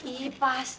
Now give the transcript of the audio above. iya pasti nek